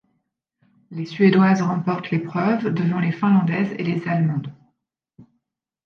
Les Suédoises remportent l'épreuve devant les Finlandaises et les Allemandes.